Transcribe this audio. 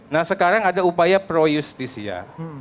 nah sekarang ada upaya pro justisia